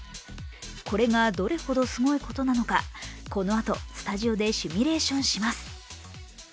これがどれほどすごいことなのか、このあとスタジオでシミュレーションします。